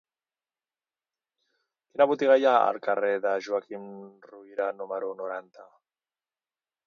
Quina botiga hi ha al carrer de Joaquim Ruyra número noranta?